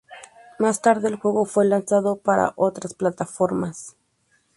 Más tarde el juego fue lanzado para otras plataformas.